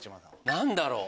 何だろう？